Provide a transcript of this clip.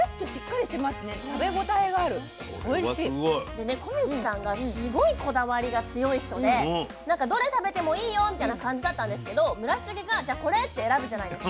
でね小道さんがすごいこだわりが強い人でなんか「どれ食べてもいいよ」みたいな感じだったんですけど村重が「じゃあこれ」って選ぶじゃないですか。